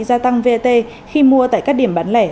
gia tăng vat khi mua tại các điểm bán lẻ